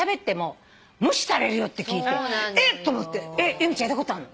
由美ちゃんいったことあるの？